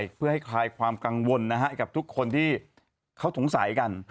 แค่ปลายเพื่อให้คลายความกังวลนะฮะกับทุกคนที่เขาสงสัยกัน